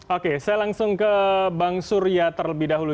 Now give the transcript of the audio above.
oke saya langsung ke bang surya terlebih dahulu